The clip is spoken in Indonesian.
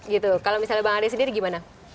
gitu kalau misalnya bang andre sendiri gimana